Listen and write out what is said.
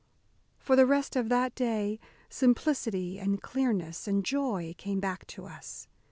For the rest of that day simplicity and clearness and joy came back to us.